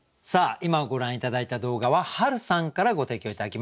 今ご覧頂いた動画はＨａｒｕさんからご提供頂きました。